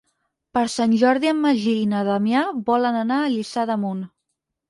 Per Sant Jordi en Magí i na Damià volen anar a Lliçà d'Amunt.